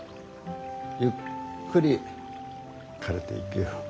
ゆっくり枯れていきゆう。